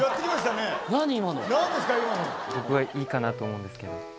僕はいいかなと思うんですけど。